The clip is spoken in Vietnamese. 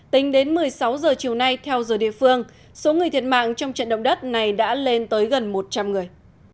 tính đến một mươi sáu h chiều nay theo giờ địa phương số người thiệt mạng trong trận động đất này đã lên tới gần một trăm linh người